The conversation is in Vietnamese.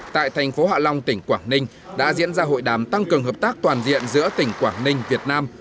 tại thành phố hạ long tỉnh quảng ninh đã diễn ra hội đám tăng cường hợp tác toàn diện giữa tỉnh quảng ninh việt nam